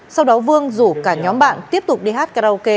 sau đó vương rủ cả nhóm bạn tiếp tục đi hát karaoke